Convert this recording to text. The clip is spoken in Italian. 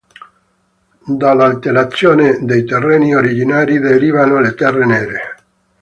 Dall'alterazione dei terreni originari derivano le terre nere.